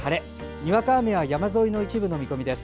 にわか雨は山沿いの一部の見込みです。